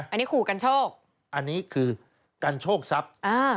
อันนี้ขู่กันโชคอันนี้คือกันโชคทรัพย์